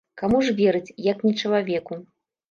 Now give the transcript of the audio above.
Каму ж верыць, як не чалавеку?